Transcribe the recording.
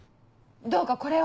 どうかこれを。